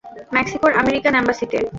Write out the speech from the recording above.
ম্যাক্সিকোর American অ্যাম্বাসিতে।